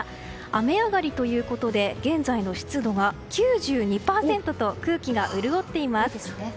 雨上がりということで現在の湿度は９２％と、空気が潤っています。